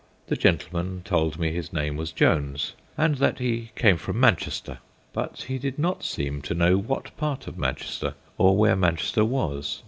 The gentleman told me his name was Jones, and that he came from Manchester, but he did not seem to know what part of Manchester, or where Manchester was.